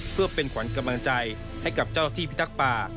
เพื่อเป็นขวัญกำลังใจให้กับเจ้าที่พิทักษ์ป่า